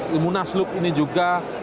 limunah slup ini juga